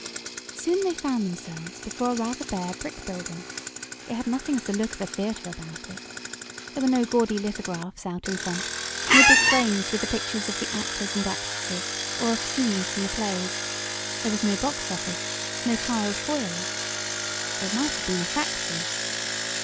Soon they found themselves before a rather bare brick building. It had nothing of the look of a theater about it. There were no gaudy lithographs out in front, no big frames with the pictures of the actors and actresses, or of scenes from the plays. There was no box office no tiled foyer. It might have been a factory.